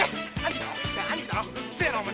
うるっせえなお前。